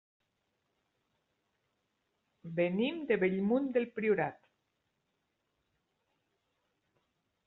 Venim de Bellmunt del Priorat.